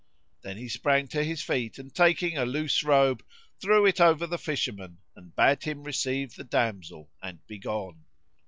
Then he sprang to his feet and, taking a loose robe, threw it over the fisherman and bade him receive the damsel and be gone.